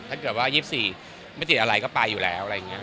ถ้าเกิดว่า๒๔ไม่ติดอะไรก็ไปอยู่แล้วอะไรอย่างนี้